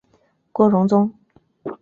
郭荣宗。